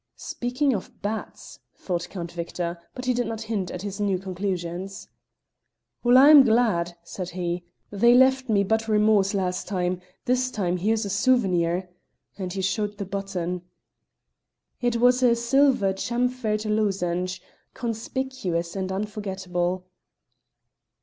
"Speaking of bats!" thought Count Victor, but he did not hint at his new conclusions. "Well, I am glad," said he; "they left me but remorse last time; this time here's a souvenir," and he showed the button. It was a silver chamfered lozenge, conspicuous and unforgettable.